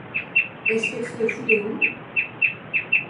Est-ce que tu te fous de nous ?